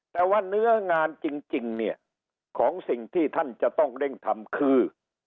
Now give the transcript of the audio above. แต่ว่าเนื้องานจริงเนี่ยของสิ่งที่ท่านจะต้องเร่งทำคือ